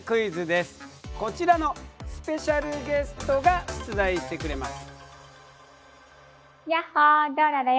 こちらのスペシャルゲストが出題してくれます。